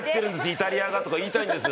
イタリアがとか言いたいんです。